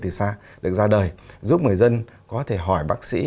từ xa được ra đời giúp người dân có thể hỏi bác sĩ